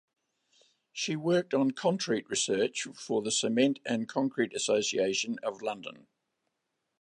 She worked on concrete research for the Cement and Concrete Association of London.